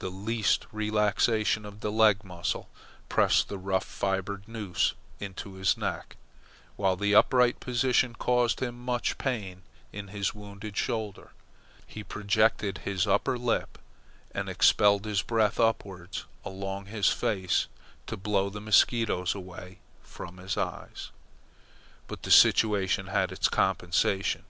The least relaxation of the leg muscles pressed the rough fibred noose into his neck, while the upright position caused him much pain in his wounded shoulder. He projected his under lip and expelled his breath upwards along his face to blow the mosquitoes away from his eyes. But the situation had its compensation.